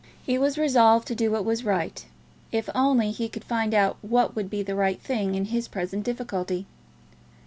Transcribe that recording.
He was resolved to do what was right, if only he could find out what would be the right thing in his present difficulty.